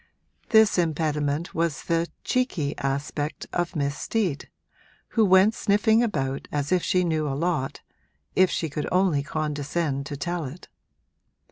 This impediment was the 'cheeky' aspect of Miss Steet, who went sniffing about as if she knew a lot, if she should only condescend to tell it.